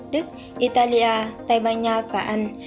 đức italia tây ban nha và anh